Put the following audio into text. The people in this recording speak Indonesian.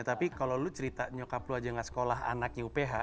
tapi kalau lu cerita nyokap lu aja gak sekolah anaknya uph